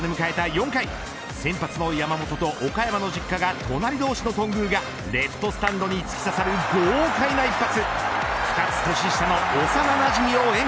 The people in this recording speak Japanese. ４回先発の山本と岡山の実家が隣同士の頓宮がレフトスタンドに突き刺さる豪快な一発。